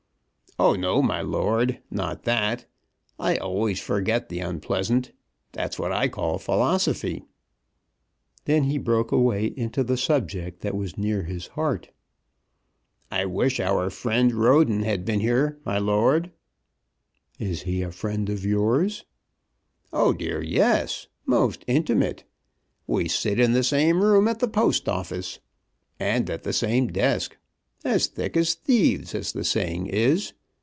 "Oh, no, my lord, not that. I always forget the unpleasant. That's what I call philosophy." Then he broke away into the subject that was near his heart. "I wish our friend Roden had been here, my lord." "Is he a friend of yours?" "Oh dear, yes; most intimate. We sit in the same room at the Post Office. And at the same desk, as thick as thieves, as the saying is.